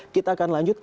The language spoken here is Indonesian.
kita akan lanjut